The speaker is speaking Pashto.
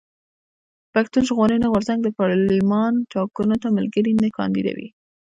پښتون ژغورني غورځنګ د پارلېمان ټاکنو ته ملګري نه کانديدوي.